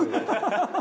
ハハハハ。